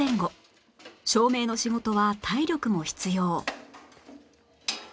照明の仕事は体力も必要